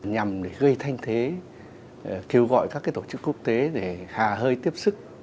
nhằm gây thanh thế kêu gọi các tổ chức quốc tế để hà hơi tiếp sức